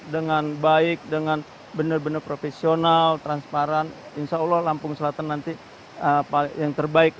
dengan baik dengan benar benar profesional transparan insyaallah rangkung selatan nanti apa yang terbaik